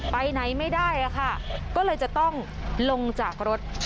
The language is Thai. ไปไหนไม่ได้ค่ะก็เลยจะต้องลงจากรถ